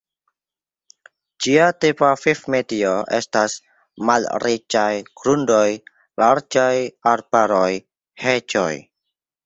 Ĝia tipa vivmedio estas malriĉaj grundoj, larĝaj arbaroj, heĝoj.